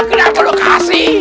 kenapa lo kasih